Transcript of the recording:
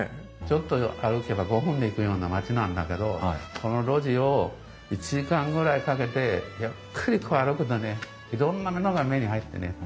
ちょっと歩けば５分で行くような町なんだけどその路地を１時間ぐらいかけてゆっくりと歩くとねいろんなものが目に入ってね。